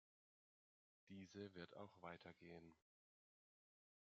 Diese wird auch weitergehen.